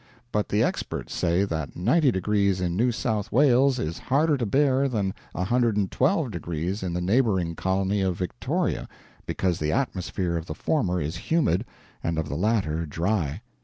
But the experts say that 90 deg. in New South Wales is harder to bear than 112 deg. in the neighboring colony of Victoria, because the atmosphere of the former is humid, and of the latter dry.